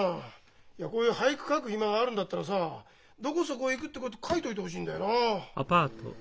いやこういう俳句書く暇があるんだったらさどこそこへ行くってこと書いといてほしいんだよな。